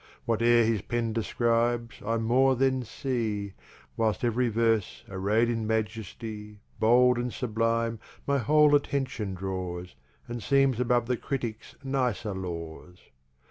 What e'er his Pen describes I more then see, Whilst ev'ry Verse array'd in Majesty, Bold, and sublime, my whole attention draws, And seems above the Criticks nicer Laws.